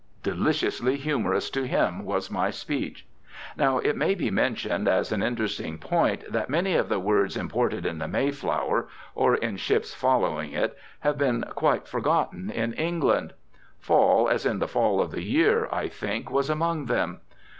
Deliciously humorous to him was my speech. Now it may be mentioned as an interesting point that many of the words imported in the Mayflower, or in ships following it, have been quite forgotten in England. Fall, as in the fall of the year, I think, was among them.